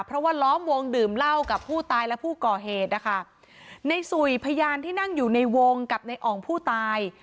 เพราะว่าล้อมวงดื่มเหล้ากับผู้ตายและผู้ก่อเหตุนะคะในสุยพยานที่นั่งอยู่ในวงกับในอ่องผู้ตาย